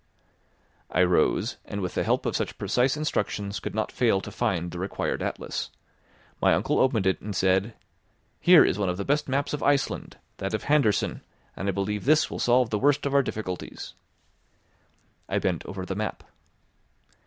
I rose, and with the help of such precise instructions could not fail to find the required atlas. My uncle opened it and said: "Here is one of the best maps of Iceland, that of Handersen, and I believe this will solve the worst of our difficulties." I bent over the map.